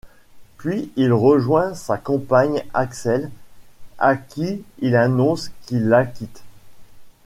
Puis il rejoint sa compagne Axel, à qui il annonce qu'il la quitte.